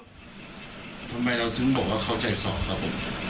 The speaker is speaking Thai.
ทำไมเราถึงบอกว่าเขาใจซ้อครับผม